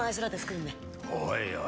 おいおい。